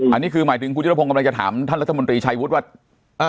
อันนี้คือหมายถึงคุณธิรพงศ์กำลังจะถามท่านรัฐมนตรีชัยวุฒิว่า